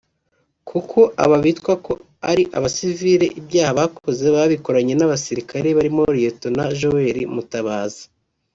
kuko aba bitwa ko ari abasivile ibyaha bakoze babikoranye n’abasirikare barimo Lt Joel Mutabazi